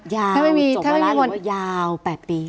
ยาวจบเวลาหรือว่ายาว๘ปี